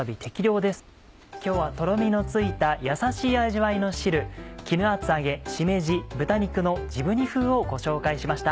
今日はトロミのついたやさしい味わいの汁「絹厚揚げしめじ豚肉のじぶ煮風」をご紹介しました。